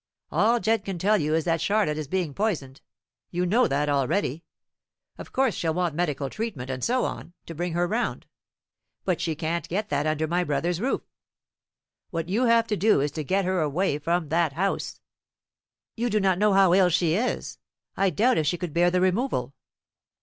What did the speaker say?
All Jedd can tell you is that Charlotte is being poisoned. You know that already. Of course she'll want medical treatment, and so on, to bring her round; but she can't get that under my brother's roof. What you have to do is to get her away from that house." "You do not know how ill she is. I doubt if she could bear the removal."